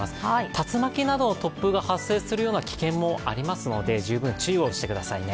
竜巻など、突風が発生する危険性もありますので十分注意をしてくださいね。